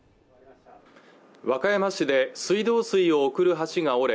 和歌山市で水道水を送る橋が折れ